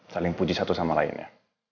saling puji satu sama lain ya